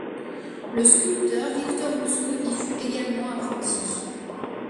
Le sculpteur Victor Rousseau y fut également apprenti.